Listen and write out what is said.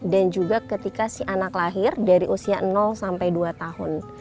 dan juga ketika si anak lahir dari usia sampai dua tahun